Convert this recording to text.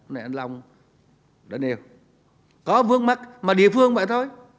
này anh long đánh yêu có vướng mắt mà địa phương vậy thôi